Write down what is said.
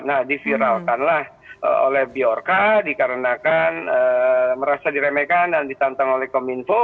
nah diviralkanlah oleh biorka dikarenakan merasa diremehkan dan ditantang oleh kominfo